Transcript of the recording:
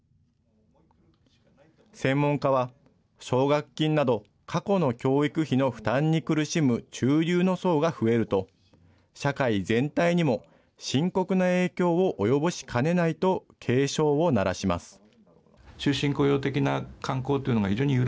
専門家は、奨学金など、過去の教育費の負担に苦しむ中流の層が増えると、社会全体にも深刻な影響を及ぼしかねないと警鐘を鳴らします。